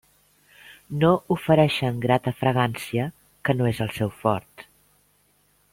No ofereixen grata fragància, que no és el seu fort.